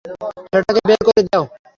সেটাকে বের করে দেও।